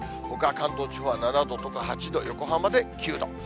ほか、関東地方は７度とか８度、横浜で９度。